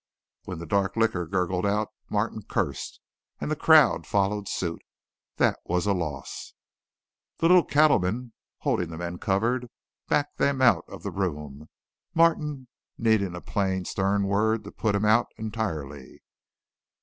When the dark liquor gurgled out, Martin cursed, and the crowd followed suit. That was a loss! The little cattleman, holding the men covered, backed them out of the room, Martin needing a plain, stern word to put him out entirely.